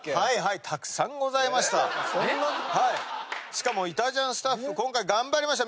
しかも『いたジャン』スタッフ今回頑張りました。